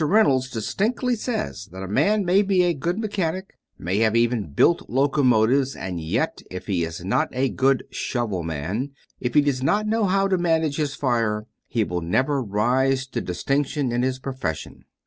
Reynolds distinctly says that a man may be a good mechanic, may have even built locomotives, and yet, if he is not a good "shovel man," if he does not know how to manage his fire, he will never rise to distinction in his profession.